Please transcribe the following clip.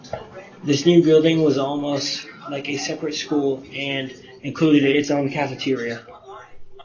This new building was almost like a separate school and included its own cafeteria.